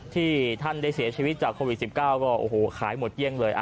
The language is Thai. ที่ท่านได้เสียชีวิตจากโควิด๑๙ก็โอ้โหขายหมดเกลี้ยงเลย